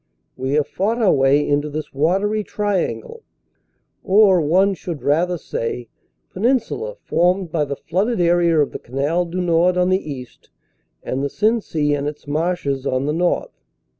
We have fought our way into this watery triangle or, one should rather say, peninsula formed by the flooded area of the Canal du Nord on the east and the Sensee and its marshes on the north.